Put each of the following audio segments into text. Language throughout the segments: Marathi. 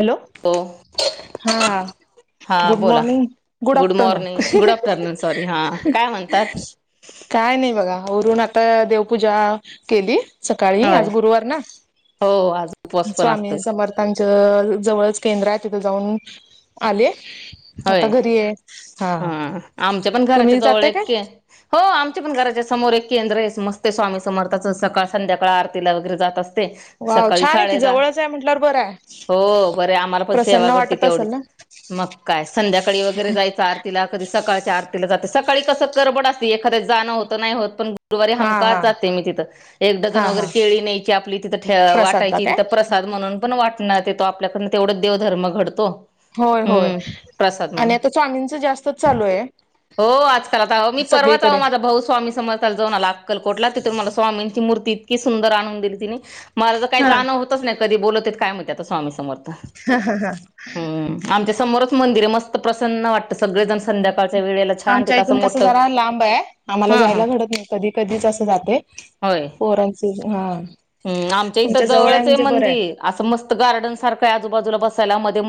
हॅलो हो हा हा गुड बोला morning good afternoon morning good afternoon sorry हा काय म्हणतात काय नाही बघा वरुण आता देवपूजा केली सकाळी होय आज गुरुवार ना हो आज उपवास पण स्वामी असतोय समर्थांच केंद्र तिथ जाऊन आले आता होय घरी आहे हा आमच्या पण घराच्या तुम्ही जाताय काय जवळके हो आमच्या पण घराच्या समोर केंद्र आहे मस्ते स्वामी समर्थाचं सकाळ संध्याकाळ आरतीला वगैरे जात अस वाव सकाळी छान आहे की साडेदा जवळच आहे म्हटल्यावर बरं आहे हो बरे आम्हाला पण प्रसन्न सेवा करते वाटत असेल तेवढीच ना मग काय संध्याकाळी वगैरे जायचं आरतीला कधी सकाळच्या आरतीला जाते सकाळी कसं करबड असते एक च जाणं होत नाही होत पण गुरुवारी हा हमकाच हा जाते मी तिथं एक डझन हा वगैरे हा केळी नयची आपली तिथं प्रसादला वाटायची काय तिथं प्रसाद म्हणून पण वाटणार येतो आपल्याकडनं तेवढं देवधर्म घडतो होय होय हम्म प्रसाद आणि म्हणून. आता स्वामींच जास्तच चालू आहे हो आजकाल आता मी परवाचो सगळीकडे माझा भाऊ स्वामी समजला जाऊनला अकलकोटला तिथून मला स्वामी मूर्ती इतकी सुंदर आणून दिली तिने मला ज काही हा जाणव होतच नाही कधी बोलत कायणत आता स्वामी समर्थ हम्म आमच्या समोरच मंदिरे मस्त प्रसन्न वाटत सगळेजण संध्याका आमच्या इथून कसं जरा लांब आहे आम्हाला हा हा जायला घडत नाही कधी कधीच असं जाते फोरन सीझ हा हम् आमच्या तुमच्या इथं जवळ आहे जवळचं म्हणजे बरं आहे मंदिर असं मस्त गार्डन सारखं आजूबाजूला बस म व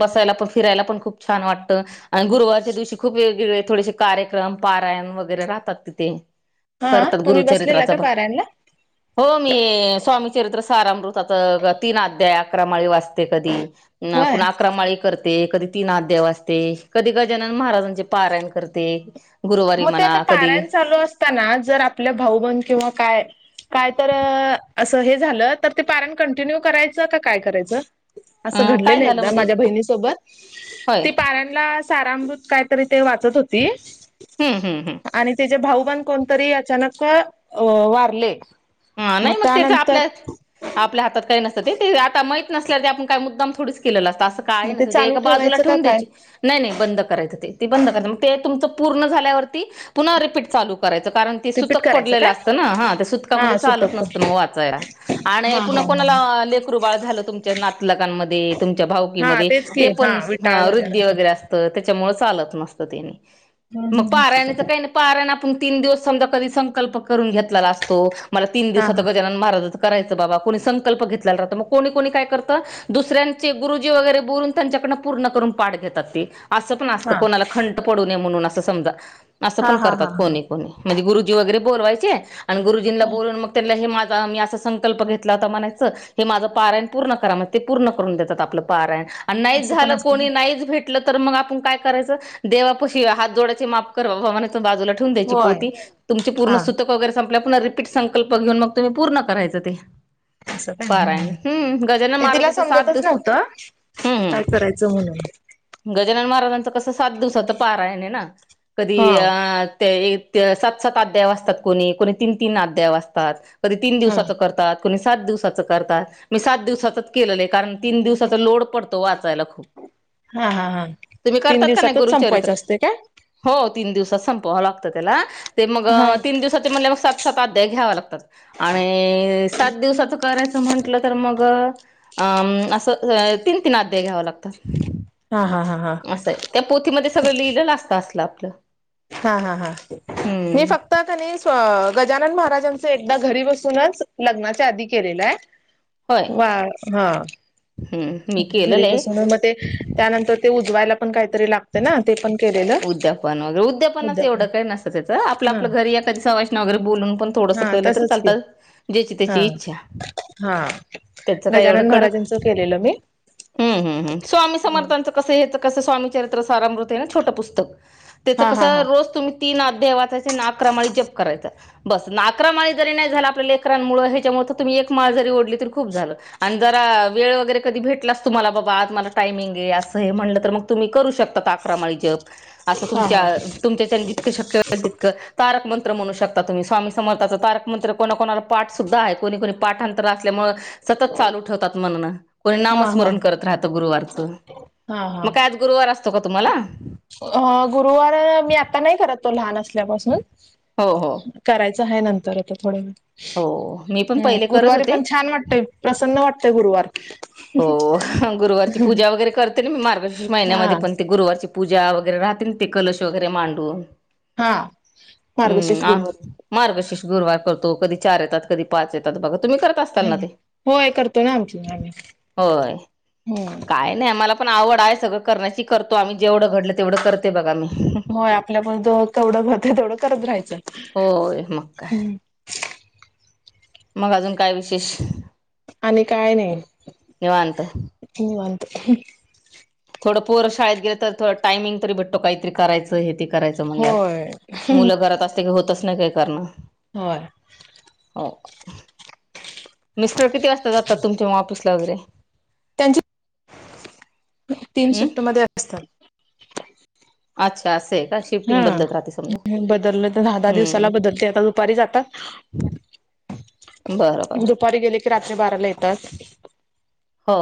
ब फिरायला पण खूप छान वात आणि गुरुवारच्या दिवशी खूप वेगवेगळे थोडेसे कार्यक्रम पारायण वगैरे पत ते हा करतात तुम्ही बसलेला गुरुचरित्राचा का पारायणला हो मी स्वामीचरित्र सारामृत तीन अध्याय अक्रमाळी वाचते कधी होय पु्हा अक्रमाळी करते कधी तीनाथ देव असते कधी गजानन महाराजांचे पारायण करते गुरुवारी मग ते आता म्हणा कधी पाारयन चालू असताना जर आपलं भाऊ बण किंवा काय काय तर असं हे झालं तर ते पारण कंटिन्यू करायचं का काय करायचं अ असं काय घडलेलं झालं एकदा म्हणजे माझ्या बहिणीसोबत होय ती पाऱ्यांला सारामृत काय तरी ते वाचत होती हम्म हम्म हम्म आणि त्या भाऊ ब कोणतरी अचानक वारले हा नाही मग त्याच आपल्या आपल्या हातात काही नसतं ते ते आता मा नसल्या तर आप का मुद्दाम थोडीच केलं असते ं काही मग नस ते चालू एका बाजूला ठेवायचं का ठेवून काय? द्यायची नाही नाही बंद करायचं ते बंद करायच मग ते तुमचं झाल्या्हापी करायणतक रिपीट पड करायचं काय? असत हा चालत सुतक नसत मग वाचाय आणि हा हा पु्हा हा कोणाला लेकरू बाळ झालं तुमच्या नाटलकांमध्ये तुमच्या हा भाऊकीमध्ये तेच की ते हा पण विटाळ वृद्धी झाल्यानंतर वगैरे असत त्याच्यामुळे चालत नसतं तेनी हम्म मग हम्म हम्म पाराने तर काही नाही पार्यां ना ण तीन दिवस समजा कधी संकल्प करून घेतला असतो मला तीन हा दिवस गजानन महाराज करायच बा कोणी संकल्प घेतला राहत मग कोणी कोणी काय करतं दुसऱ्यांचे गुरुजी वगैरे बोलून त्यांच्या पूर्ण करून पाठ घेतात ते असं पण हा असतं कोणाला खंट पडू नये म्हणून असं समजा असं हा हा पण हा करतात हा हा कोणी कोणी म्हणजे गुरुजी वगैरे बोलवायचे आणिुरुजींना हो बोलून म त्या हे मी असा संकल्प घेतला होता म्हणायचं हे माझं पारायण पूर्ण करा म्ह ते पूर्ण करून देतात आपलं पारायण आणि नाहीच असं पण झालं असतं ते कोणी नाहीच भेट मग आपण काय करायच देवाप हात जोडाची माप े त होय हा संकल्पेऊन मग तुम्ही पूर्ण करायचं ते अस पारायण हम्म गजानन ते तिला महाराजाचं सात समजतच दिवस नव्हतं हम्म काय हम्म करायचं म्हण ह गजानन महाराजांचं कसं सात दिवसाच पारा आहे नाही ना कधी हा अ ते ते सात सात अध्याय असतात कोणी कोणी तीन तीन अध्याय असतात कधी तीन हा दिवसाचं करतात णी सात दिवसाच करतात मी सात दिवसाच केलेलं आहे कारण तीन दिवसाचा लोड पडतो वा हा हा हा तुम्ही कर तीन का नाही दिवसातच संपवायचं गुुचित्र असते काय? व ला हा त्यावातात घ्या लागतात आणि सात दिवसाच करायच म्हटलं तर मग असं तीन तीन अध्याय घ्याव लागतात हा हा हा हा असंय त्या पोथीमध्ये सगळं लिहिलं असत असलं आपलं हा हा हा मी हम्म फक्त त्यांनी गजानन महाराज घरी बसूनच लग्ना आधी केलेलं आहे होय वा हा हम्म मी घरी केलेलं आहे बसून मग ते त्यानंतर ते वायला पण काहीतरी लागते ना ते पण केलेलं उद्यापन वगैरे उद्यापनाच उद्यापन एवढं काही नसत त्याचं आपलं हा आपलं घरी या कधी सवाशणी वगैरे बोलून पण थोडस हा कलं तर तसच की चालत ज्याची हा त्याची इच्छा हा त्याच काय एवढं गजानन कडक महाराजांचं केलेलं मी हम्म हम्म हम् स्वामी समर्थांचं कसंच कस स्वामी चरित्रसारमृते छोट पुस्तक त्याच हा कस हा हा रोज तुम्ही तीन अध्याय वाचायचे ना अक्रमाळी जप करायचा बस ना अकरा माळी जरी नाही झाला आपल्याला एकराांमुळे ह्याच्यामुळे तर तुमही एक माळ जरी ओढली तरी जरा वेळ वगैरे कधी भेला तुम्हा आज मला टायमिंग आहे अस म्हणट मग त तुम्ही करू शकता आकरा माळी जप असं हा हा तुमच्या जितकं शक्यल तितकं तारकमंत्र मंत्र म्हणू शकता तुम्ही स्वामी समर्थाचा तारकमंत्र कोणाकोणाला पाठ सुद्धा आहे कोणी कोणी पाठांतर असल्यामुळे सतत चालू ठेवतात म्हणणं कोणी हा हा नामस्मरण करत राहतं गुरुवारचं मग काय आज गुरुवार अस अ गुरुवार मी आता नाही करत तो लहान असल्यापासून हो हो करायचं आहे नंतर आता थोड वेळाने हो मी पण हम्म पहिले करत गुरुवारी होते. पण छान वाटतय प्रसन्न वाटतय गुरुवार हो गुरुवारची पूजा वगैरे करते ना मी मार्गशीर्ष हा महिन्यामध्ये पण ते गुरुवार पूजा वगैरे राहते ते कलश वगैरे मांडून हा मार्गशीर्ष हम् आ गुरुवारी मार्गशिष गुरवार करतो कधी चार येतात कधी पाच येतात बघ होय करतो ना आमची आम्ही होय हम्म काय नाही आम्हाला पण आवड आहे सगळं करण्याची करतो आम्ही जेवढं घडलं तेवढं करते बघा मी... होय आपल्यामुळे जेवढ होतय तेवढं करत राहायचं. होय मग काय? हम्म मग अजून काय विशेष आणि काय नाही निवांत. निवांत.. थोडं पोर शाळेत गेलं तर थोडं टायमिंग तरी भेटतो काहीतरी करायं हे ते... करायच म्हणल्यावर होय मुलं घरात असते की होतच नाही काय करण... होय. हो.. मिस्टर किती वाजता जातात तुमच्या म ऑफिसला वगैरे... त्यांची तीन हम्म शिफ्टमध्ये असतात. अच्छा असं आहे. का हा शिफ्टिंग बदलत राहते समजा बदललं तर दहा दहा दिवसाला हम्म बदलते आता दुपारी जातात. बरं बर दुपारी गेले की रात्री बाराला येतात. हो...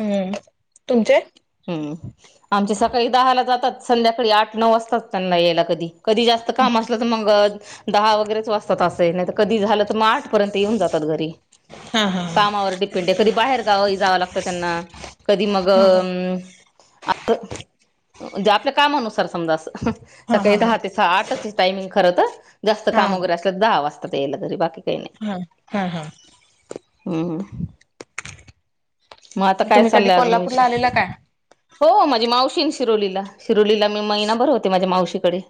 हम्म. तुमचे... हम्म आमच्या सकाळी दहाला जातात संध्याकाळी आठ नऊ वाजताात त्यांना यायला कधी.. कधी जास्त काम असलं तर मग दहा वगैरेच वाजतात असं नाही तर कधी झालं तर मग आठ.. पर्यंत येऊन जातात घरी हा हा कामावर डिपेंड आहे कधी बाहेर गाव जावं लागतं त्यांना कधी मग... हा आ म्हणजे आपल्या कामानुसार समजा अस. हा सकाळी हा हा. दहा ते सहा आठची टाइमिंग खरं तर जास्त हा काम वगैरे असलं दहा वाजता. आत्ता यायला घरी बाकी... काही नाही हा हा हा... हम्म मग आता काय तुम्ही कधी चाललंय अजून कोल्हापूरला विषय.. आलेला काय? हो माझी मावशी शिरोलीला शिरोलीला मी महिनाभर होते माझ्या मावशीकडे..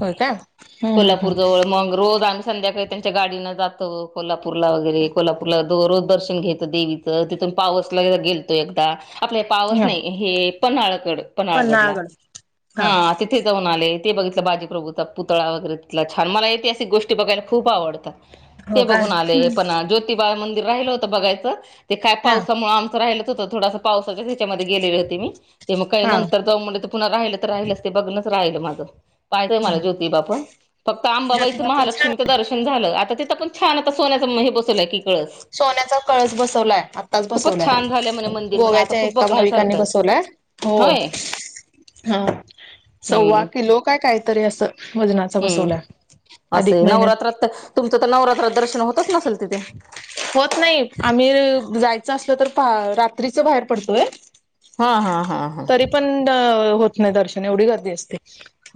होय काय हम्म हम्म कोल्हापूर जवळ मग रोज.. संध्याकाळी त्यांच्या गाडीन जातं कोल्हापूरला वगैरे कोल्हापूरला दररोज दर्शन घेतो देवीचं तिथ... पावसला गेलतो एकदा आपल्या... हम्म. पावस हा. नाही हे पन्हाळागड पन्हाळागडला पन्हाळगड हा तिथे जाऊन आले. ते बघितलं बाजीप्रभू चा पुतळा वगैरे तिथ छान मला ऐतिहासिक गोष्टी बघायला खूप आवडतात. ते हो काय बघून आले पण ज्योतिबा मंदिर राहिलं होतं बघायचं. ते काय हा पावसामुळे आमचं राहिलं. हो थोडा पावसा त्याच्या गेले होते मी ते मग का हा नंतर जाऊ म्हंटल तर.... पुन्हा राहिल तर राहिलच ते बघूनच राहिल माझं... पाहचय मला हम्म. ज्योतिबा पण फक्त आंबाबाईचं ज्योतिबा पण छान महालक्ष्मीचं दर्शन झालं आता... पण छान आता सोन्या मही बसवलं की... कळस सोन्याचा कळस बसवलाय आत्ताच खूपच बसवलाय छान झालंय म्हणे मंदिर म्हणे आता गोव्याच्या.... खूप का भाविकांनी बघण्यासारखं आहे. बसवलाय हो होय ह सव्वा हम्म किलो काय.. काहीतरी असं. वजनाचा बसवलाय हम्म अधिक असं महिन्यात नवरात्रात तर तुमचं तर नवरात्रात दर्शन होतच नसेल तिथे... होत रात बाहेर पडतोय हा हा हा हा तरी पण... होत नाही दर्शन एवढी गर्दी असते.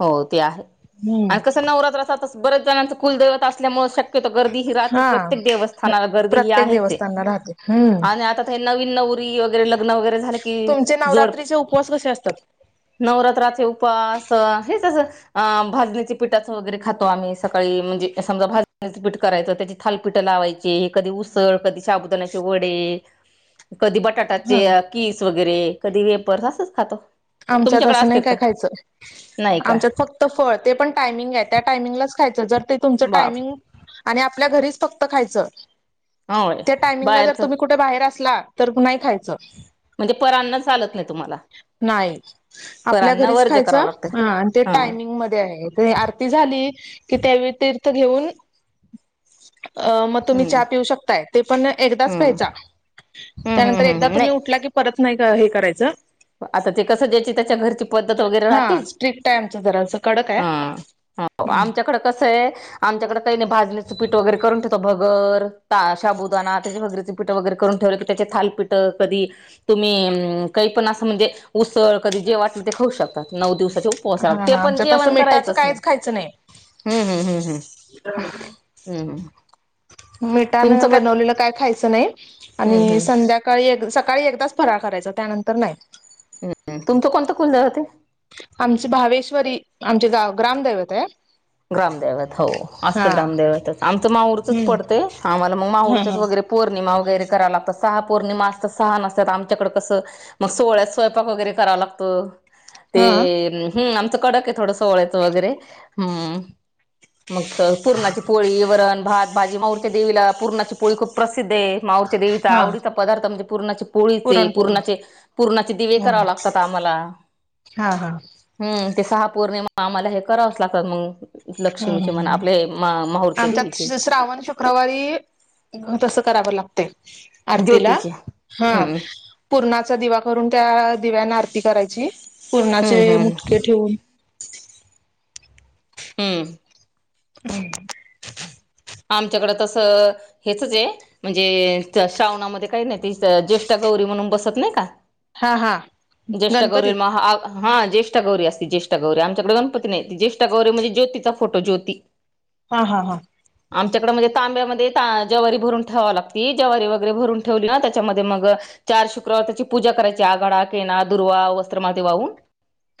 हो ते आहे हम्म आणि कस नवरात्र असात बर्याच जणांच कुलदैवता असल्यामुळे शक्य [inaudible] गर्दी ह हा प्रत्येक देवस्थानाला गर्दी ह प्रत्येक आहे देवस्थानला राहते हम्म आणि आता तर ह्यांना नवरी वगैरे लग्न वगैरे झालं की तुमचे जोड... नवरात्रीचे उपवास कसे असतात नवरात्राचे उपास हेच असं अ भाजणीचे पिठाच वगैरे खातो आम्ही सकाळी म्हणजे... समजा भाजणीचे पीठ... करायच त्याची थालपीठ लावायची. कधी उसळ, कधी शाबुदानाचे वडे... कधी हा बटाट्याचे कीस वगैरे कधी वेपर्स असंच खातो. आमच्यात तुमच्याकडे असं नाही असतेत काय का खायचं, नाही का आमच्यात फक्त फळ ते पण टायमिंग आहे त्या टायमिंगलाच खायच जर ते तुमच बाप टायमिंग आणि आपल्या घरीच फक्त खायचं होय त्या टायमिंगला जर बाहेरच तुम्ही कुठे बाहेर असला, तर नाही खायचं म्हणजे पर अन्न चालत- मला नाही आपल्या घरीच खायचं लागतं आणि ते हा टायमिंग मध्ये आहे आरती झाली - कि त्यावेळी तीर्थ घेऊन - अ मग तुम्ही हम्म चहा पिऊ शकताय ते पण एकदाच हम्म प्यायचा हम्म त्यानंतर हम्म एकदा हम्म तुम्ही नाही उठला की परत नाही हे करायचं आता ते कसं द्यायची त्याच्या घरची पद्धत वगैरे हा राहती. स्ट्रिक्ट आहे आमचं जरासं कडक आहे हम् हो आमच्याकडं कसं आहे आमच्याकडं - काही नइ भाजनिचं पीठ वगैरे करून ठेवो भगर त शाबुदाणा त्याचे भगरीच पीठ वगैरे करून ठेवलं की त्याचे थालपीठं कधी तुम्ही म काही पण असं - म्हणजे उसळ कधी जे वाटले ते खाऊ शकतात नऊ दिवस - उपवासाला हा ते पण आमच्यात असं जेवण मिठाचं करायचच नाही. काहीच खायचं नाही हम्म हम्म हम्म हम्म हम्म हम् मिठान बनवलेलं काय खायचं नाही हम्म आणि हम्म संध्याकाळी सकाळी एकदाच - फराळ करायचा त्यानंतर नाही. हम तुमचं कोणतं कुलदैवत हाय? आमच भावेश्वरी आमचे गाव ग्रामदैवत हाय. ग्रामदैवत हो असतं ग्रामदैवतच आमचं माहूरचच हम्म पडते आम्हाला मग हा माहूरच्या हा वगैरे पौर्णिमा- वगैरे कराव लागतं सहा पौर्णिमा असत सहा नसतात आमच्याकड कसं मग सोहळ्यात स्वयपाक वगरे करावं लागतो ते हा हम् आमचं कडक आहे थोडं सोळ्यायचं वगैरे हम्म मग पूर्णाची पोळी वरण भात भाजी माऊरच्या देवीला पूर्णाची पोळी खूप प्रसिद्ध आहे माऊरच्या देवीचा हा आवडीचा पदार्थ म्हणजे पूर्णाची पोळीचे पुरणपोळी पूर्णाचे पूर्णाचे दिवे हा करावे लागतात आम्हाला हा हा हम्म ते सहा पौर्णिमा आम्हाला हे करावच लागतात मग लक्ष्मीचे मण हम्म आपले माहूरच्या आमच्यात देवीचे श्रावण शुक्रवारी तसं करावं लागतयं. आरतीला ज्योतीचे हा हम्म पूर्णा दिवा करून त्या दिव्याना आरती करायची हम्म पूरणाचे हम्म मुटके ठेवून. हम्म. हम. आमच्याकडे तसं हेचच आहे म्हणजे श्रावणामध्ये काही नाही ज्येष्ठ गौ गौरी म्हणून बसत नाही का हा हा ज्येष्ठा गौरी गणपतीत हा ज्येष्ठा गौरी अस जेष्ठा गौरी आमच्याकडे गणपती नाही ज्येष्ठा गौरी म्हणजे ज्योतीचा फोटो ज्योती हा हा हा आमच्याकडें म्हणजे तांब्यामध्ये जवारी भरून ठेवावी लागते जवारी वगैरे भरून ठेवली ना त्याच्यामध्ये मग चार शुक्रवार त्याची पूजा करायची आघाडा केना दुर्वा वस्त्र माळ वाहून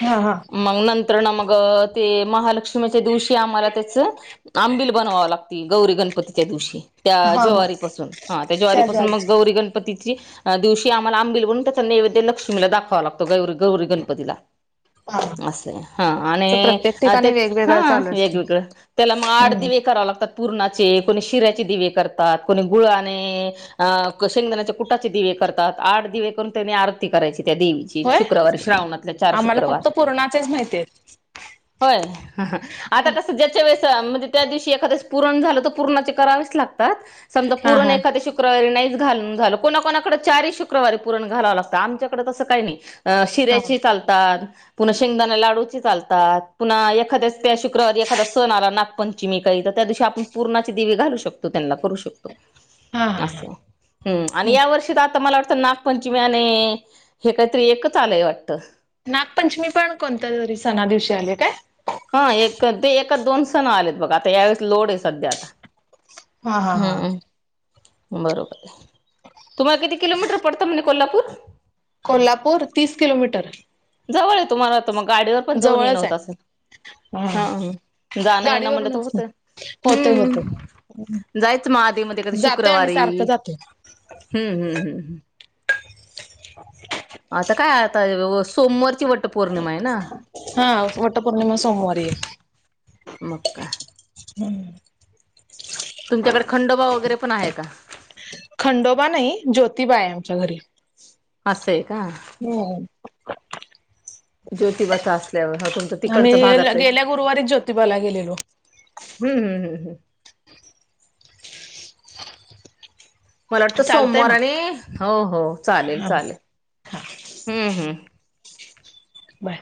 हा हा मग नंतर ना मग ते महालक्ष्मी च्या दिवशी आम्हाला त्याच आंबिल बनवाव लागत गौरी गणपतीच्या दिवशी त्या हा हा ज्वारीपासून हा त्या ज्वारीपासून मग गौरी गणपती दिवशी आम्हालांबिल बणून त्याचा नैवेद्य लक्ष्मीला दाखवा लागतो गौरी गौरी गणपतीला हा. आस आहे च आणि प्रत्येक ते ठिकाणी हा वेगवेगळं चालू असतं. वेगवेगळं त्याला मग आठ हम्म दिवे कराव लागतात. पूरणाचे कोणी शिऱ्याचे दिवे करतात कोणी गुळाने अ शेंगदाण्याच्या कुटाचे दिवे करतात आठ दिवे करून त्यांनी आरती करायची त्या देवीची होय शुक्रवार श्रावणातल्या चार आम्हाला शुक्रवार फक्त पूर्णाचेच माहिती आहेत. होय आता कस ज्याच्या वेळे च म्हणजे त्या दिवशी एखादच पूरण झालं तर पूर्णाचे करावेच लागतते समजा हा पूर्ण हा. एखाद्या शुक्रवारी नाही घालून झालं कोणा कोणाकड चार शुक्रवारी पुरण घलावं लागतं. आमच्याकडे तसं काही नाही अ हा शिऱ्याची चालतात पुन्हा शेंगदाणा लाडूची चालतात. पुन्हा एखाद्याच त्या शुक्रवारी एखादा सण आला नागपंचमी काही तर त्या दिवशी आपण पुरणाचे दिवे घालू शकतो त्यांना करू शकतो हा अस हा हम् ह आणि या वर्षीतर आता मला वाट आता नागपंचमीने हे काहीतरी एकच आलय वाट नागपंचमी पण कोणत तरी सणा दिवशी आले काय हा एक ते दोन सण आलेत बघा आता, यावेेळेस लोड आहे सध्या आता. हा हा हा हम्म बरोबर आहे. तुम्हाला किती किलोमीटर पडतं म्हणे कोल्हापूर कोल्हापूर तीस किलोमीटर जवळ ये तुम्हाला आ तर मग गाडीवर पण जाऊन येणं होत असेल हम्म हा जाणं येणं म्हणट तर होत. होतय हम्म जायच म आधी मधी कधी जातोय आम्ही शुक्रवारी सारखं जातोय. हम्म हम्म हम्म हम्म [inaudible] आता काय आता सोमवारची वट पौर्णिमा आहे ना हा वटपौर्णिमा सोमवारी आहे मग काय हम् तुमच्याकड खंडोबा वगैरे पण आहे का खंडोबा नाही ज्योतिबा आहे आमच्या घरी. असं आहे का? हम् ज्योतिबाचा असल्यावर [unintelligible] तुमच आम्ही तिकडच भागातल आहे. गेल्या गुरुवारीच ज्योतिबाला गेलेलो हम्म हम्म हम्म हम्म मला वाटतं चालतय सोमवार मग आणि, हो हो चालेल हा चालेल. हा हम्म हम्म बाय